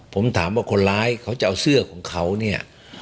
ผมถามว่าคนร้ายเขาจะเอาเสื้อของเขาเนี่ย